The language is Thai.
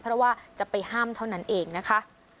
เพราะว่าจะไปห้ามเท่านั้นเองนะคะ